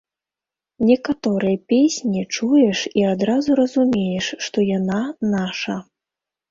Некаторыя песні чуеш і адразу разумееш, што яна наша.